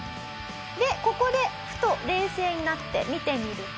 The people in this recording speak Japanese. ここでふと冷静になって見てみると。